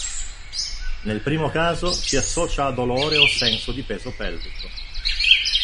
Nel primo caso si associa a dolore o senso di peso pelvico.